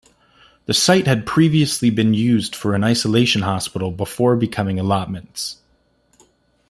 The site had previously been used for an isolation hospital before becoming allotments.